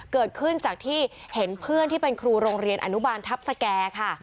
เกิดขึ้นจากที่เห็นเพื่อนที่เป็นครูโรงเรียนอนุบาลทัพสแก่ค่ะ